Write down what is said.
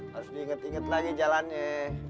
harus diinget inget lagi jalannya